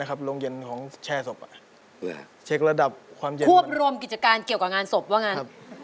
ควบรวมกิจกาลเกี่ยวกับงานศพว่ะนั้น